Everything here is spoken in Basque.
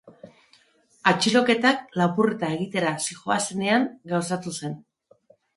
Atxiloketak lapurreta egitera zihoazenean gauzatu zen.